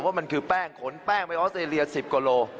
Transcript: ว่ามันคือแป้งขนแป้งไปออสเตรเลีย๑๐กว่าโล